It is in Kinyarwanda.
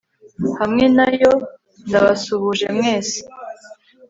hamwe na yo? ndabasuhuje mwese